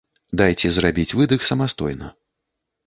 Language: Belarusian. Дайце зрабіць выдых самастойна.